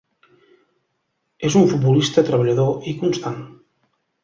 És un futbolista treballador i constant.